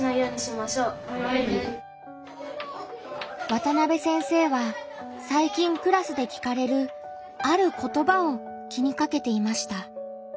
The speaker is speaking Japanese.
渡邉先生は最近クラスで聞かれる「ある言葉」を気にかけていました。